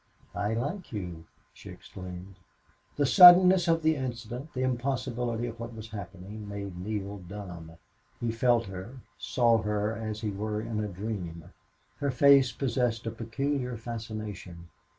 "I like you!" she exclaimed. The suddenness of the incident, the impossibility of what was happening, made Neale dumb. He felt her, saw her as he were in a dream. Her face possessed a peculiar fascination.